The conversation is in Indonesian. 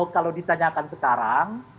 kalau ditanyakan sekarang